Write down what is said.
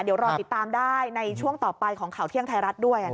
เดี๋ยวรอติดตามได้ในช่วงต่อไปของข่าวเที่ยงไทยรัฐด้วย